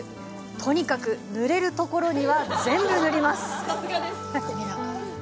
とにかく塗れるところには全部、塗ります。